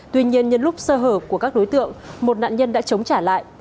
tuy nhiên nhân lúc sơ hở của các đối tượng một nạn nhân đã chống trả lại